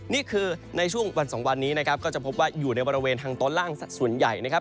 นี่คือในช่วงวันสองวันนี้นะครับก็จะพบว่าอยู่ในบริเวณทางตอนล่างส่วนใหญ่นะครับ